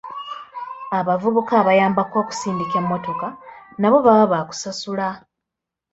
Abavubuka abayambako okusindika emmotoka nabo baba baakusasula.